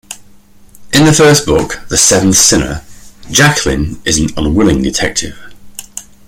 In the first book, "The Seventh Sinner", Jacqueline is an unwilling detective.